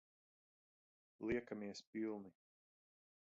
Liekamies pilni.